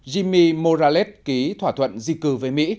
jimmy morales ký thỏa thuận di cử với mỹ